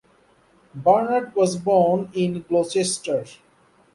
Bernard was born in Gloucester.